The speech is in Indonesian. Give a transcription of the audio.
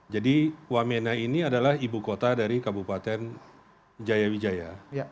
jadi wamena ini adalah ibu kota dari kabupaten jaya wijaya